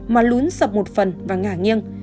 mà lún sập một phần và ngả nghiêng